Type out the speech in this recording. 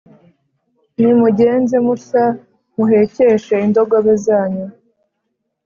nimugenze mutya muhekeshe indogobe zanyu